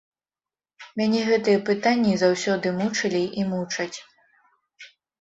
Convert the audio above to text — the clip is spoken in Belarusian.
Мяне гэтыя пытанні заўсёды мучылі і мучаць.